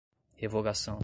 revogação